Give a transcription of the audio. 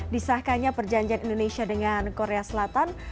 disahkannya perjanjian indonesia dengan korea selatan